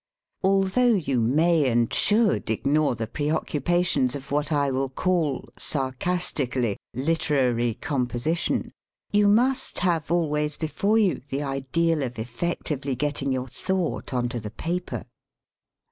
Although you may and should ignore the preoccupations of what I will call, sarcastically, "literary composition,*' you must have always be fore you the ideal of effectively getting your thought on to the paper.